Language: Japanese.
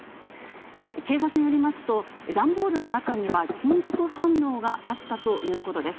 警察によりますと、段ボールの中には金属反応があったということです。